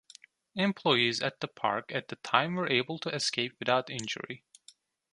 Employees at the park at the time were able to escape without injury.